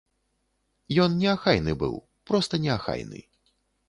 Ён неахайны быў, проста неахайны.